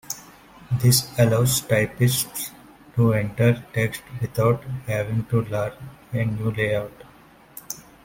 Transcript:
This allows typists to enter text without having to learn a new layout.